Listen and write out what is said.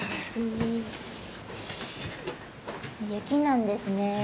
雪なんですね。